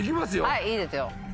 はいいいですよ。